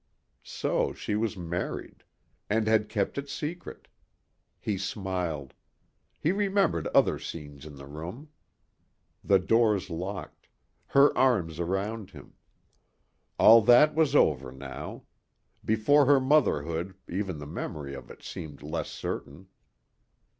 So she was married. And had kept it secret. He smiled. He remembered other scenes in the room. The doors locked. Her arms around him. All that was over now. Before her motherhood, even the memory of it seemed less certain.